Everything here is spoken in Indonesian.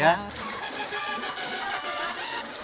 biba punya pate aren ini berapa